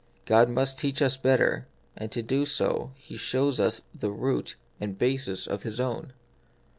God must teach us better, and to do so He shows us the root and basis of His own.